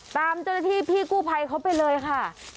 ตามเจ้าหน้าที่พี่กู้ภัยเขาไปเลยค่ะ